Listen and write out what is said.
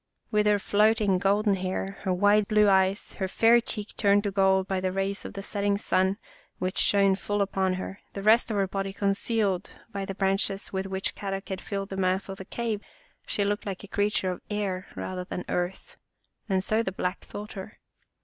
With her floating, golden hair, her wide blue eyes, her fair cheek turned to gold by the rays of the setting sun, which shone full upon her, the rest of her body concealed by the ioo Our Little Australian Cousin branches with which Kadok had filled the mouth of the cave, she looked like a creature of air rather than earth, and so the Black thought her.